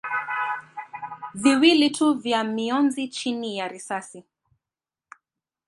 viwili tu vya mionzi chini ya risasi.